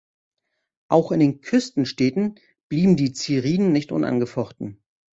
Auch in den Küstenstädten blieben die Ziriden nicht unangefochten.